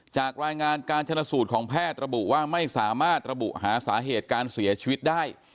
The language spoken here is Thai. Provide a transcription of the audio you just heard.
จากรายงานการชนะสูตรของแพทย์ระบุว่าไม่สามารถระบุหาสาเหตุการเสียชีวิตได้